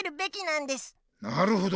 なるほど。